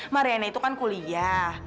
mariana itu kan kuliah